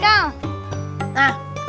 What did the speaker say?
aduh aku nyari nyari